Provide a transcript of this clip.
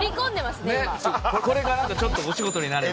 これがなんかちょっとお仕事になれば。